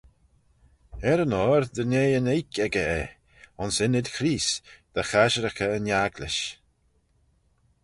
Er-yn-oyr dy nee yn oik echey eh, ayns ynnyd Chreest, dy chasherickey yn agglish.